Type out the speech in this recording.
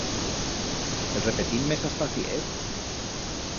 El repetim mes aspaciet?